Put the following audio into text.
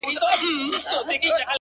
د نورو د ستم په گيلاسونو کي ورک نه يم’